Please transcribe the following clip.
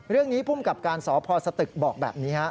เรื่องนี้ภูมิกับการสพสตึกบอกแบบนี้ฮะ